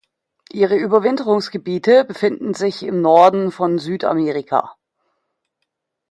Ihre Überwinterungsgebiete befinden sich im Norden von Südamerika.